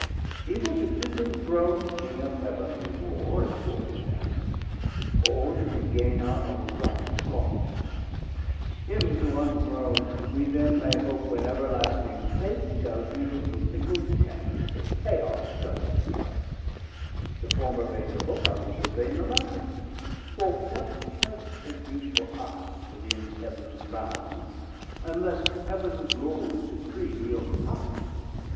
Either to disinthrone the King of Heav'n We warr, if warr be best, or to regain 230 Our own right lost: him to unthrone we then May hope, when everlasting Fate shall yeild To fickle Chance, and Chaos judge the strife: The former vain to hope argues as vain The latter: for what place can be for us Within Heav'ns bound, unless Heav'ns Lord supream We overpower?